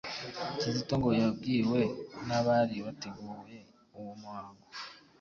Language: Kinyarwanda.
Kizito ngo yabwiwe n'abari bateguye uwo muhango